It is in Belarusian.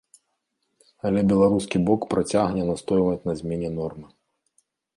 Але беларускі бок працягне настойваць на змене нормы.